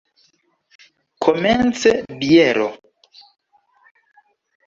Komence biero.